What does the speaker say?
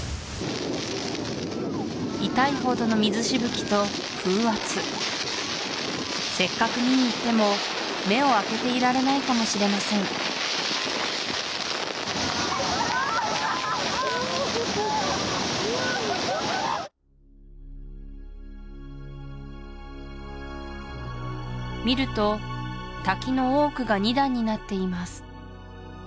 痛いほどの水しぶきと風圧せっかく見に行っても目を開けていられないかもしれません見ると滝の多くが二段になっています